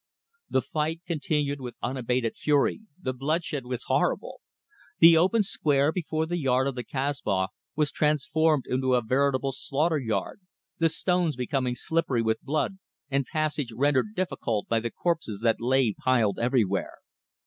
The fight continued with unabated fury the bloodshed was horrible. The open square before the gate of the Kasbah was transformed into a veritable slaughter yard, the stones being slippery with blood, and passage rendered difficult by the corpses that lay piled everywhere.